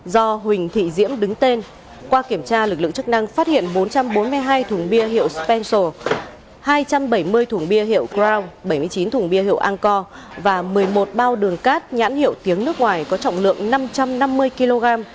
do huỳnh thị diễm đứng tên qua kiểm tra lực lượng chức năng phát hiện bốn trăm bốn mươi hai thùng bia hiệu spensal hai trăm bảy mươi thùng bia hiệu cron bảy mươi chín thùng bia hiệu anco và một mươi một bao đường cát nhãn hiệu tiếng nước ngoài có trọng lượng năm trăm năm mươi kg